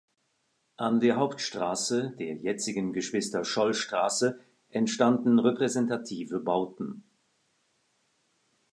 An der Hauptstraße, der jetzigen Geschwister-Scholl-Straße, entstanden repräsentative Bauten.